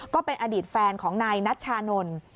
ก็เป็นอดีตแฟนของนายนัชชานนท์